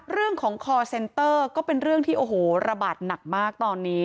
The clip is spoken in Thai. เรื่องของคอร์เซนเตอร์ก็เป็นเรื่องที่โอ้โหระบาดหนักมากตอนนี้